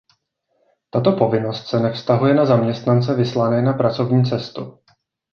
Tato povinnost se nevztahuje na zaměstnance vyslané na pracovní cestu.